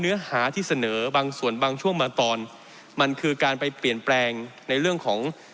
เนื้อหาที่เสนอบางส่วนบางช่วงบางตอนมันคือการไปเปลี่ยนแปลงในเรื่องของ